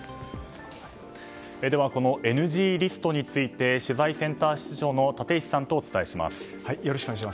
では、ＮＧリストについて取材センター室長の立石さんとお伝えします。